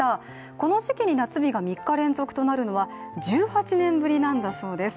この時期に夏日が３日連続となるのは１８年ぶりなんだそうです。